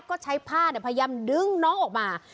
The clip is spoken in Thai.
ก็ใช้ผ้าพยายามดึงน้องออกมา